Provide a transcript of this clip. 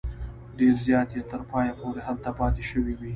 ډېر زیات یې تر پایه پورې هلته پاته شوي وي.